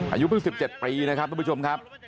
อายุเพิ่ง๑๗ปีนะครับทุกผู้ชมครับ